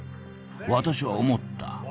私は思った。